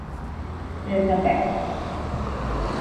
เจตาแบค